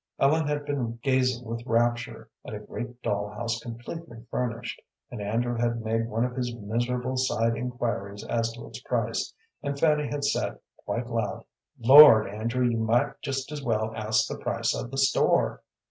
Ellen had been gazing with rapture at a great doll house completely furnished, and Andrew had made one of his miserable side inquiries as to its price, and Fanny had said, quite loud, "Lord, Andrew, you might just as well ask the price of the store!